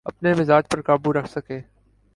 اپنے مزاج پہ قابو رکھ سکے۔